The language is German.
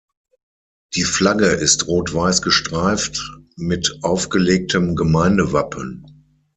Die Flagge ist rot-weiß gestreift mit aufgelegtem Gemeindewappen.